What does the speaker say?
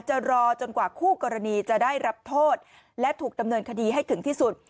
จะรอจนกว่าคู่กรณีจะได้รับโทษและถูกดำเนินคดีให้ถึงที่สุด